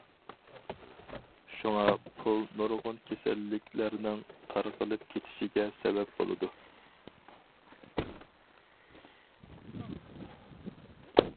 شۇڭا پۇل نۇرغۇن كېسەللىكلەرنىڭ تارقىلىپ كېتىشىگە سەۋەب بولىدۇ.